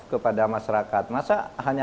kepada masyarakat masa hanya